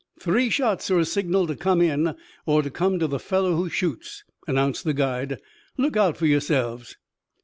"Three shots are a signal to come in, or to come to the fellow who shoots," announced the guide. "Look out for yourselves."